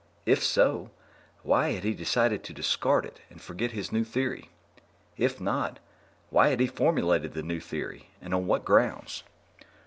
If so, why had he decided to discard it and forget his new theory? If not, why had he formulated the new theory, and on what grounds?